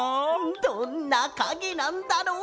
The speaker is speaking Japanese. どんなかげなんだろう？